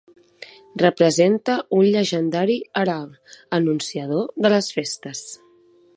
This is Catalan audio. Representa un llegendari herald anunciador de les festes.